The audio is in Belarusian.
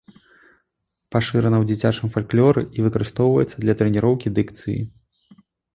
Пашырана ў дзіцячым фальклоры і выкарыстоўваецца для трэніроўкі дыкцыі.